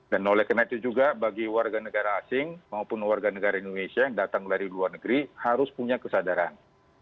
dan oleh karena itu juga bagi warga negara asing maupun warga negara indonesia yang datang dari luar negeri harus punya kesadaran